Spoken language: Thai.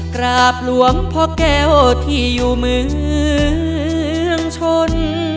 กราบหลวงพ่อแก้วที่อยู่เมืองชน